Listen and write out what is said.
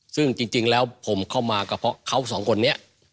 ซึ่งจริงแล้วผมเข้ามาก็เพราะเขาสองคนนี้